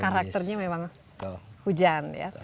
karakternya memang hujan ya